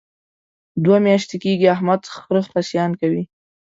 دوه میاشتې کېږي احمد خره خصیان کوي.